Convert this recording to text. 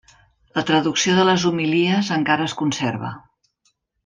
La traducció de les homilies encara es conserva.